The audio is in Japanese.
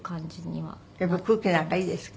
やっぱり空気なんかいいですか？